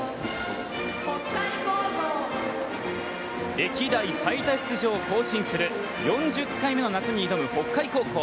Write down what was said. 歴代最多出場更新する４０回目の夏に挑む北海高校。